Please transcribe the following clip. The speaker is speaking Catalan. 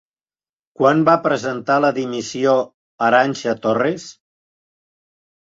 Quan va presentar la dimissió Arantxa Torres?